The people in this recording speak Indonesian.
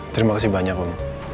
terima kasih banyak om